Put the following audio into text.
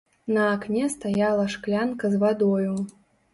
На акне стаяла шклянка з вадою.